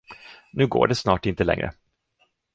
Nu går det snart inte längre.